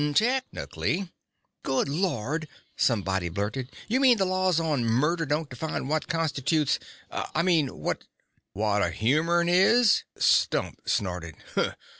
"Technically " "Good Lord!" someone blurted. "You mean the laws on murder don't define what constitutes I mean, what " "What a humern is?" Stump snorted.